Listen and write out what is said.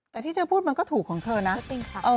แต่ที่เธอพูดมันก็ถูกของเธอนะ